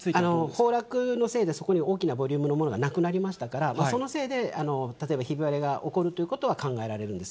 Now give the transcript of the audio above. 崩落のせいでそこに大きなボリュームのものがなくなりましたから、そのせいで例えば、ひび割れが起こるということは考えられるんです。